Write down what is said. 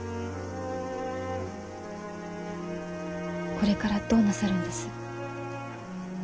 これからどうなさるんです？